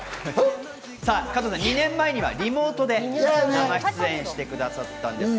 加藤さん、２年前にはリモートで生出演してくださったんです。